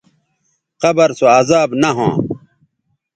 قبر سو عذاب نہ ھواں